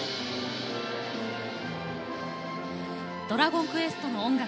「ドラゴンクエスト」の音楽。